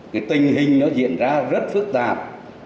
cái tình hình nó diễn ra rất phức tạp